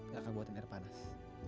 kakak buatin air panas